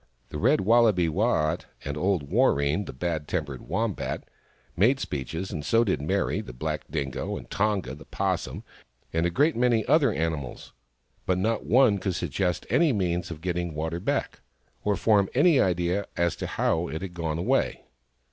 The Red Wallaby, Waat, and old Warreen, the bad tempered Wombat, made speeches, and so did Meri, the black Dingo, and Tonga, the 'Possum, and a great many other animals. But not one could suggest any means of getting water back, or form an idea as to how it had gone away.